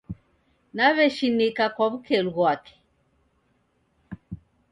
Naw'eshinika kwa wukelu ghwake